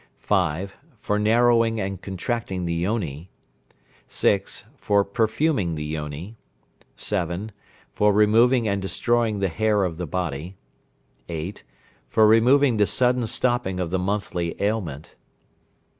5. For narrowing and contracting the yoni. 6. For perfuming the yoni. 7. For removing and destroying the hair of the body. 8. For removing the sudden stopping of the monthly ailment.